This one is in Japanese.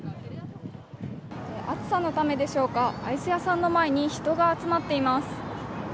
暑さのためでしょうか、アイス屋さんの前に人が集まっています。